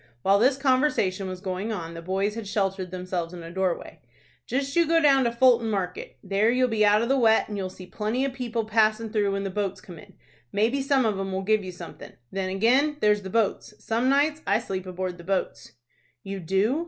(While this conversation was going on, the boys had sheltered themselves in a doorway.) "Just you go down to Fulton Market. There you'll be out of the wet, and you'll see plenty of people passin' through when the boats come in. Maybe some of 'em will give you somethin'. Then ag'in, there's the boats. Some nights I sleep aboard the boats." "You do?